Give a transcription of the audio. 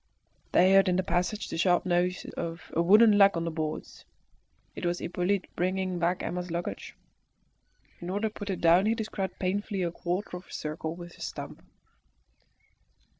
They heard in the passage the sharp noise of a wooden leg on the boards. It was Hippolyte bringing back Emma's luggage. In order to put it down he described painfully a quarter of a circle with his stump.